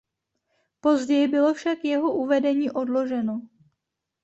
Později bylo však jeho uvedení odloženo.